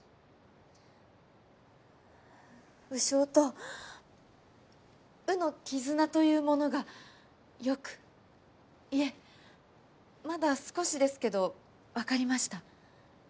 鵜匠と鵜の絆というものがよくいえまだ少しですけど分かりました。